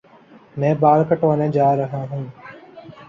میں بال کٹوانے جا رہا ہوں